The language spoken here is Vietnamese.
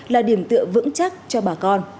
là điểm tựa vững chắc cho bà con